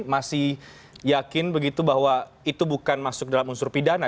masih yakin begitu bahwa itu bukan masuk dalam unsur pidana